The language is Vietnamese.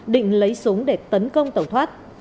định lấy súng để tấn công tẩu thoát